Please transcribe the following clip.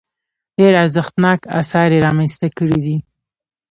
ډېر ارزښتناک اثار یې رامنځته کړي دي.